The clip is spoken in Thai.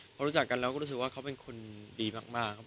พอรู้จักกันแล้วก็รู้สึกว่าเขาเป็นคนดีมาก